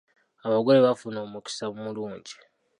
Abagole bafuna omukisa omulungi.